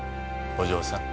お嬢さん。